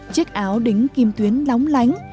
chiếc áo đính kim tuyến lóng lánh